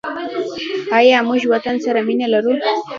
آیا موږ وطن سره مینه لرو؟